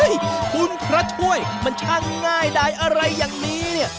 คุณพระช่วยมันช่างง่ายดายอะไรอย่างนี้เนี่ย